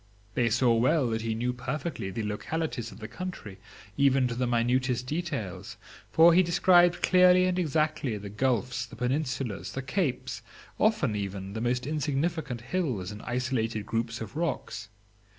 They saw well that he knew perfectly the localities of the country, even to the minutest details; for he described clearly and exactly the gulfs, the peninsulas, the capes, often even, the most insignificant hills and isolated groups of rocks.